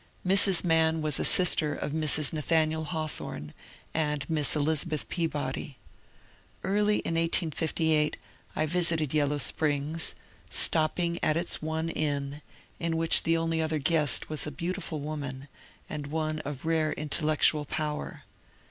Mrs. Mann was a sister of Mrs. Na thaniel Hawthorne and Miss Elizabeth Peabody. Early in 1858 I visited Yellow Springs, stopping at its one inn, in which the only other guest was a beautiful woman, and one of rare intellectual power.